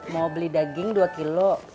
mau beli daging dua kilo